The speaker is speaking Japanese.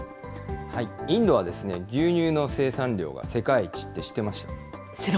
インドは牛乳の生産量が世界一って知ってました？